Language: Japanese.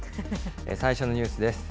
最初のニュースです。